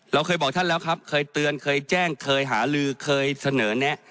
เราเคยบอกท่านแล้วครับเคยเตือนเคยแจ้งเคยหาลือเคยเสนอแนะ